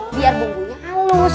biar bumbunya halus